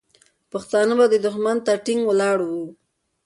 پښتانه به دښمن ته ټینګ ولاړ وو.